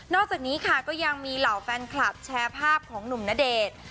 อกจากนี้ค่ะก็ยังมีเหล่าแฟนคลับแชร์ภาพของหนุ่มณเดชน์